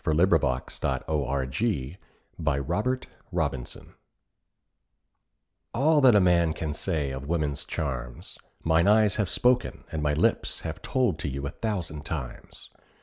A BACHELOR TO A MARRIED FLIRT ALL that a man can say of woman's charms, Mine eyes have spoken and my lips have told To you a thousand times.